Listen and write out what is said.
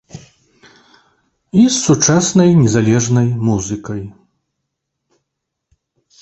І з сучаснай незалежнай музыкай.